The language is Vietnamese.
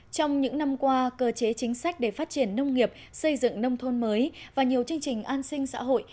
trong những năm qua cơ chế chính sách để phát triển nông nghiệp xây dựng nông thôn mới và nhiều chương trình an sinh xã hội